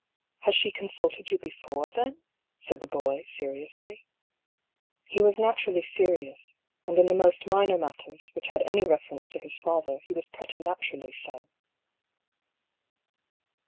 " Has she consulted you before, then? " said the boy, seriously. He was naturally serious, and in the most minor matters, which had any reference to his father, he was preternaturally so.